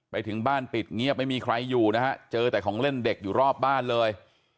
ไปถึงบ้านปิดเงียบไม่มีใครอยู่นะฮะเจอแต่ของเล่นเด็กอยู่รอบบ้านเลย